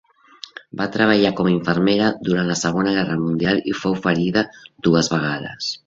Va treballar com a infermera durant la Segona Guerra Mundial i fou ferida dues vegades.